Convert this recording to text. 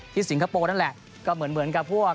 ที่สิงคโปร์นั่นแหละ